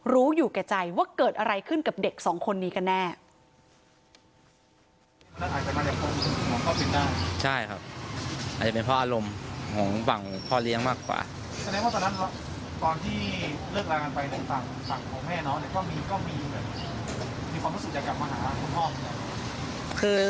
รู้อยู่แก่ใจว่าเกิดอะไรขึ้นกับเด็กสองคนนี้กันแน่